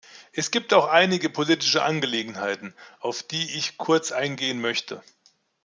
Es gibt auch einige politische Angelegenheiten, auf die ich kurz eingehen möchte.